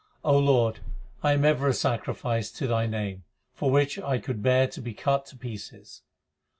O Lord, I am ever a sacrifice to Thy name, for which I could bear to be cut to pieces.